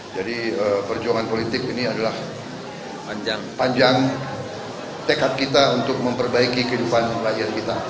jadi perjuangan politik ini adalah panjang tekad kita untuk memperbaiki kehidupan rakyat kita